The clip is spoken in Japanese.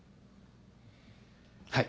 はい。